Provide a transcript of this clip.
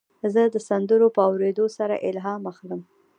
زه د سندرو په اورېدو سره الهام اخلم.